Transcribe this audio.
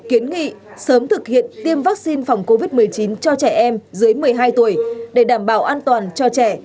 kiến nghị sớm thực hiện tiêm vaccine phòng covid một mươi chín cho trẻ em dưới một mươi hai tuổi để đảm bảo an toàn cho trẻ